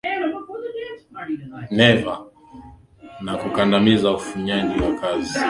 neva na kukandamiza ufanyaji kazi